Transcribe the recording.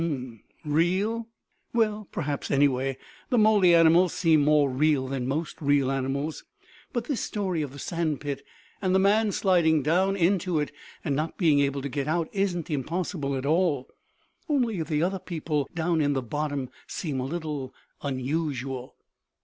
"Ah um, real? Well, perhaps; anyway, the Mowgli animals seem more real than most real animals. But this story of the sand pit and the man sliding down into it and not being able to get out isn't impossible at all. Only the other people down in the bottom seem a little unusual."